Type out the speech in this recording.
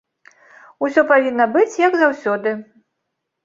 Усё павінна быць, як заўсёды.